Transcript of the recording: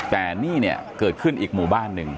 แต่นี่เนี่ยเกิดขึ้นอีกหมู่บ้านหนึ่ง